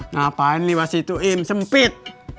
ngapain nih pak situim sempit